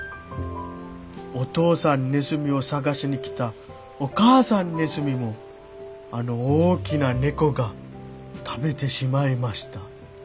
お父さんネズミを捜しに来たお母さんネズミもあの大きな猫が食べてしまいました」。